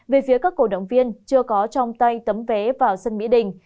về phía các cổ động viên chưa có trong tay tấm vé vào sân mỹ đình